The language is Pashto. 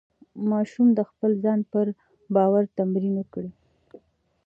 ماشوم د خپل ځان پر باور تمرین وکړي.